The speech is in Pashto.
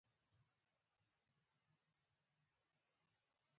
ملګری د تنهایۍ ضد دی